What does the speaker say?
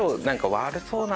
悪そうな。